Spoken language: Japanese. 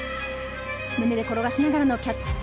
胸で転がしながらのキャッチ。